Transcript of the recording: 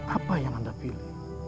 apa yang anda pilih